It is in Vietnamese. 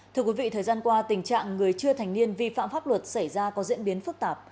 thưa quý vị thời gian qua tình trạng người chưa thành niên vi phạm pháp luật xảy ra có diễn biến phức tạp